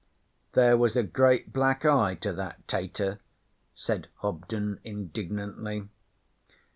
'There was a great black eye to that tater,' said Hobden indignantly.